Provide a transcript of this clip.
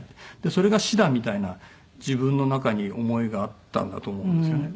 それが死だみたいな自分の中に思いがあったんだと思うんですよね。